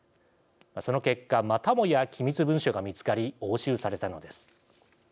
その結果、またもや機密文書が見つかり押収されたのです。